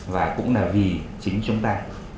và cũng là vì chính chúng ta